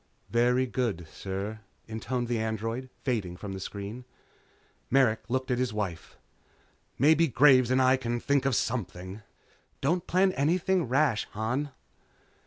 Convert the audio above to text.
"Very good, sir," intoned the android, fading from the screen. Merrick looked at his wife. "Maybe Graves and I can think of something." "Don't plan anything rash, Han."